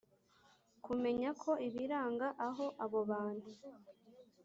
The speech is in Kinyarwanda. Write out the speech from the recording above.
Kumenya ko ibiranga aho abo bantu